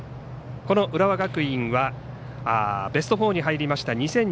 この浦和学院はベスト４に入りました